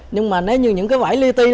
nhưng mà nếu như những cái vải li ti